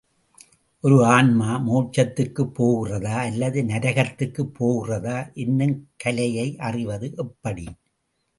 ஒரு ஆன்மா மோட்சத்துக்குப் போகிறதா, அல்லது நரகத்துக்குப் போகிறதா என்னும் கலையை அறிவது எப்படி?